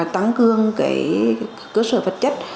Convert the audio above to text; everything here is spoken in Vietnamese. tăng cương cơ sở vật chất